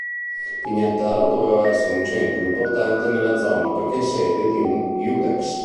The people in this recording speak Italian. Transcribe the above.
Pignataro doveva essere un centro importante nella zona perché è sede di un "iudex".